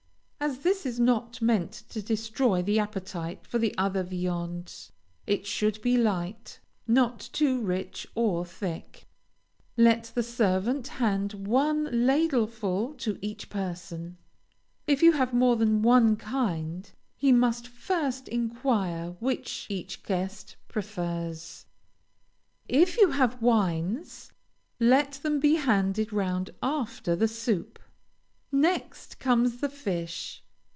As this is not meant to destroy the appetite for other viands, it should be light, not too rich or thick. Let the servant hand one ladlefull to each person. If you have more than one kind, he must first inquire which each guest prefers. If you have wines, let them be handed round after the soup. Next comes the fish.